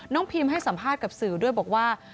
พิมให้สัมภาษณ์กับสื่อด้วยบอกว่า